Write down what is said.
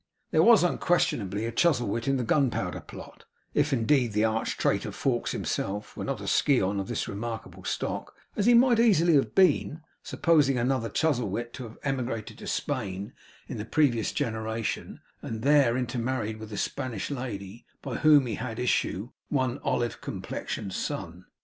There was unquestionably a Chuzzlewit in the Gunpowder Plot, if indeed the arch traitor, Fawkes himself, were not a scion of this remarkable stock; as he might easily have been, supposing another Chuzzlewit to have emigrated to Spain in the previous generation, and there intermarried with a Spanish lady, by whom he had issue, one olive complexioned son.